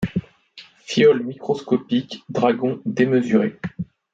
Fiole microscopique, dragon démesuré.